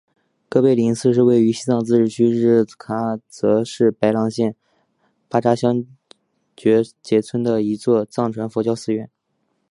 格培林寺是位于西藏自治区日喀则市白朗县巴扎乡觉杰村的一座藏传佛教寺院。